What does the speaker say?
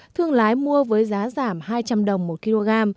thương lái mua với giá giảm hai trăm linh đồng một kg